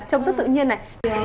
trông rất tự nhiên này